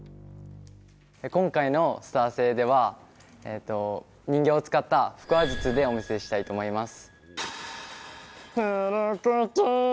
今回のスター性では、人形を使った腹話術をお見せしたいと思います。